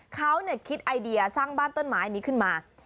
เขาคิดไอเดียสร้างบ้านต้นไม้นี้ขึ้นมา